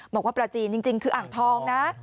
บอกว่าปลาจีนจริงคืออ่างทองนะ